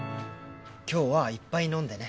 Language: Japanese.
今日はいっぱい飲んでね。